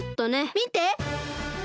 みて！